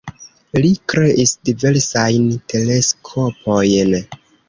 Li kreis diversajn teleskopojn.